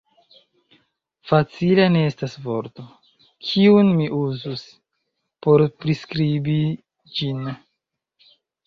Facila ne estas vorto, kiun mi uzus, por priskribi ĝin.